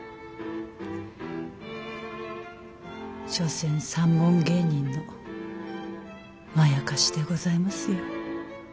所詮三文芸人のまやかしでございますよ。